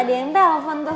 pa dia yang telepon tuh